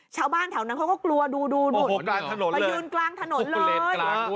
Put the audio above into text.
ชาวบ้านแถวนั้นเขาก็กลัวดูนู่นมายืนกลางถนนเลย